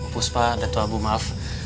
puspa datu abu maaf